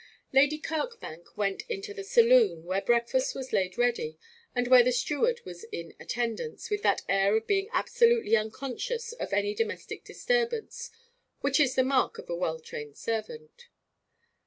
Lady Kirkbank went into the saloon, where breakfast was laid ready, and where the steward was in attendance with that air of being absolutely unconscious of any domestic disturbance, which is the mark of a well trained servant.